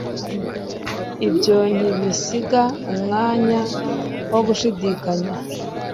ibyo ntibisiga umwanya wo gushidikanya